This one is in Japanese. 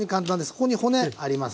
ここに骨ありますね。